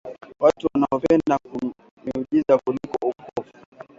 Watu wanapenda miujiza kuliko ukovu